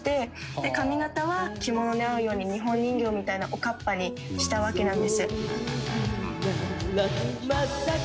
「で髪形は着物に合うように日本人形みたいなおかっぱにしたわけなんです」